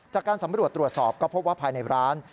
จากการสำรวจตรวจสอบก็พบว่าภายในร้าน